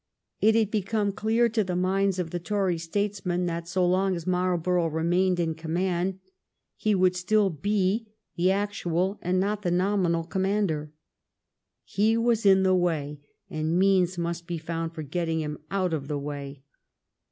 It had become clear to the minds of the Tory statesmen that so long as Marl borough remained in command, he would still be the actual and not the nominal commander. He was in the way, and means must be found for getting him out of the way.